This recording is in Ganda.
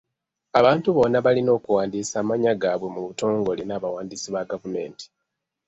Abantu bonna balina okuwandiisa amannya gaabwe mu butongole n'abawandiisi ba gavumenti.